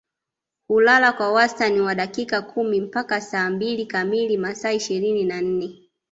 Hulala kwa wastani wa dakika kumi mpaka saa mbili katika masaa ishirini na nne